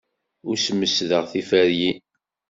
Ur smesdeɣ tiferyin.